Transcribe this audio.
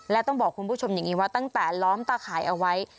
และต้องบอกคุณผู้ชมอย่างนี้ว่าตั้งแต่ล้อมตะข่ายเอาไว้